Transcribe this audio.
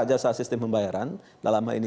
jasa sistem pembayaran dalam hal ini